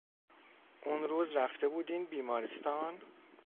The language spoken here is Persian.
اونروز رفته بودین بیمارستان؟